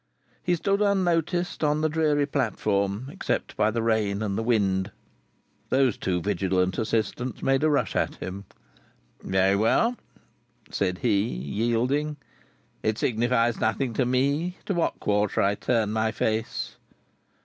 He stood unnoticed on the dreary platform, except by the rain and by the wind. Those two vigilant assailants made a rush at him. "Very well," said he, yielding. "It signifies nothing to me, to what quarter I turn my face."